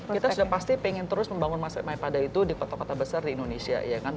kita sudah pasti ingin terus membangun mayapada itu di kota kota besar di indonesia